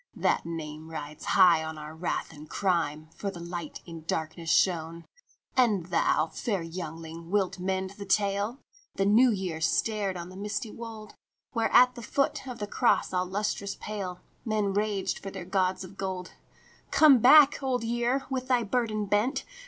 That name rides high on our wrath and crime, For the Light in darkness shone. " And thou, fair youngling, wilt mend the tale? " The New Year stared on the misty wold, Where at foot of a cross all lustrous pale Men raged for their gods of gold. " Come back, Old Year, with thy burden bent.